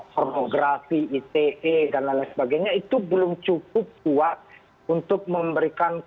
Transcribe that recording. pornografi ite dan lain lain sebagainya itu belum cukup kuat untuk memberikan